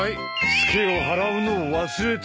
ツケを払うのを忘れてた。